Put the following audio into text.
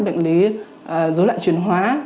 bệnh lý dấu lại truyền hóa